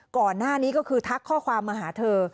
ก่อนหน้านี้ก็คือทักข้อความมาหาเธอ